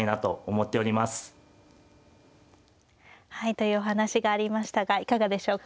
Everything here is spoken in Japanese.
というお話がありましたがいかがでしょうか。